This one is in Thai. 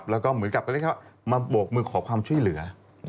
แล้วก็หมือกลับมาบวกมือขอความช่วยเหลือ